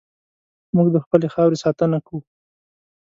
موږ د خپلې خاورې ساتنه کوو.